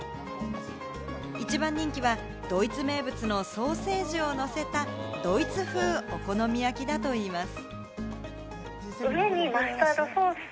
一番人気はドイツ名物のソーセージをのせた、ドイツ風お好み焼きだといいます。